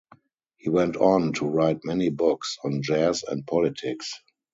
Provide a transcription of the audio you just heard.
He went on to write many books on jazz and politics.